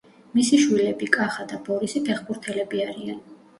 მისი შვილები, კახა და ბორისი ფეხბურთელები არიან.